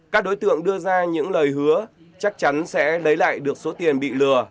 các đối tượng đưa ra những lời hứa chắc chắn sẽ lấy lại được số tiền bị lừa